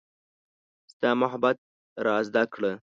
ستا محبت را زده کړه